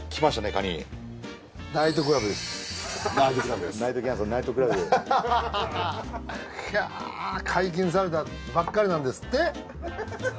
かぁ解禁されたばっかりなんですって。